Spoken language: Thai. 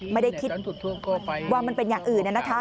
ไม่ได้คิดว่ามันเป็นอย่างอื่น